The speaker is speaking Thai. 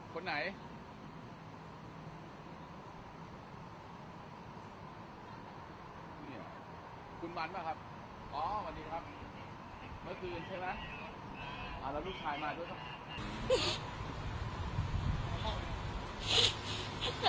คุณวันป่ะครับอ๋อสวัสดีครับเมื่อคืนใช่ป่ะอ่าแล้วลูกชายมาด้วยป่ะ